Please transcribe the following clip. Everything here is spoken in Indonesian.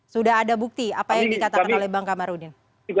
sudah ada bukti apa yang dikatakan oleh bang kamarudin